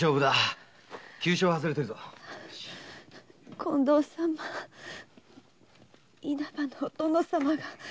近藤様稲葉のお殿様が。